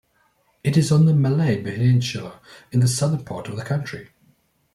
It is on the Malay peninsula in the southern part of the country.